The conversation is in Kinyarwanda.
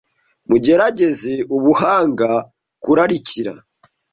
mugerageze ubuhanga kurarikira